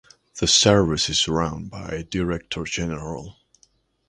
The Service is run by a Director-General.